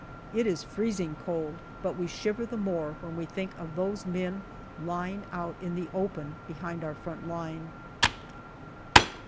It is freezing cold, but we shiver the more when we think of those men lying out in the open behind our front line.